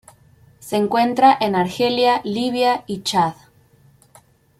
Se encuentra en Argelia Libia y Chad.